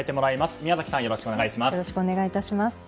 宮崎さん、よろしくお願いします。